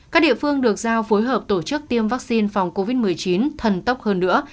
các địa phương được giao phối hợp tổ chức tiêm vaccine phòng covid một mươi chín thần tốc hơn nữa